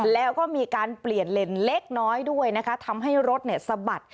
แล้วก็มีการเปลี่ยนเลนเล็กน้อยด้วยนะคะทำให้รถสะบัด